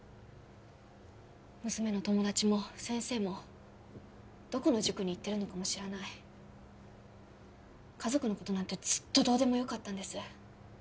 娘の友達も先生もどこの塾に行ってるのかも知らない家族のことなんてずっとどうでもよかったんです